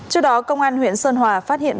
trước đó công an huyện sơn hòa phát hiện